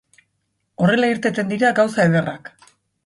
Horrela irteten dira gauza ederrak.